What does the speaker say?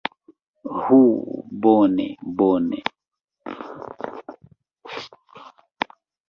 Hm, bone bone.